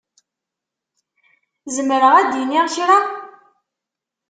Zemreɣ ad d-iniɣ kra?